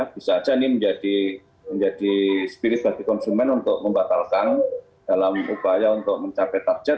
bisa saja ini menjadi spirit bagi konsumen untuk membatalkan dalam upaya untuk mencapai target